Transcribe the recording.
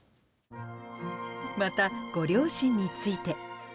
また、ご両親について。